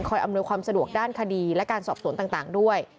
อำนวยความสะดวกด้านคดีและการสอบสวนต่างด้วย